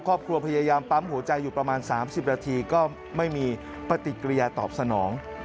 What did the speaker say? ครอบครัวพยายามปั๊มหัวใจอยู่ประมาณ๓๐นาทีก็ไม่มีปฏิกิริยาตอบสนอง